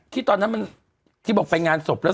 ที่ตอนนั้นที่บอกไปงานสบแล้ว